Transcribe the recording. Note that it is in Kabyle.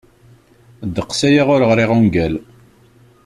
Ddeqs aya ur ɣriɣ ungal.